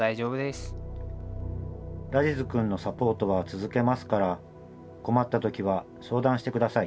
「ラジズくんのサポートは続けますから困ったときは相談してください」。